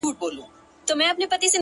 • هغې ويل ه نور دي هيڅ په کار نه لرم؛